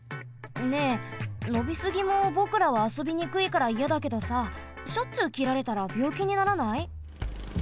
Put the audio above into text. ねえのびすぎもぼくらはあそびにくいからいやだけどさしょっちゅうきられたらびょうきにならない？